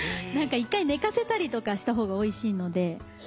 一回寝かせたりとかした方がおいしいので。